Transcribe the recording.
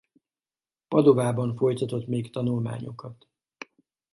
Padovában folytatott még tanulmányokat.